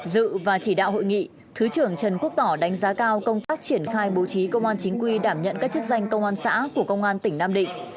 dự và chỉ đạo hội nghị thứ trưởng trần quốc tỏ đánh giá cao công tác triển khai bố trí công an chính quy đảm nhận các chức danh công an xã của công an tỉnh nam định